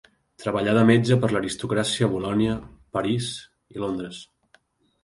Treballà de metge per l'aristocràcia a Bolonya, París i Londres.